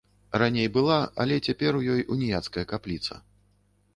Раней была, але цяпер у ёй уніяцкая капліца.